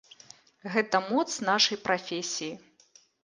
Гэта моц нашай прафесіі.